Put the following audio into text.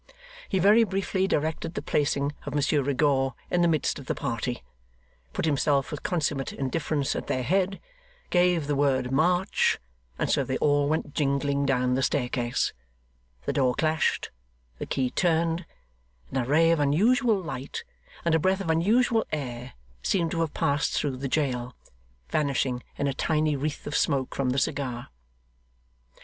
He very briefly directed the placing of Monsieur Rigaud in the midst of the party, put himself with consummate indifference at their head, gave the word 'march!' and so they all went jingling down the staircase. The door clashed the key turned and a ray of unusual light, and a breath of unusual air, seemed to have passed through the jail, vanishing in a tiny wreath of smoke from the cigar.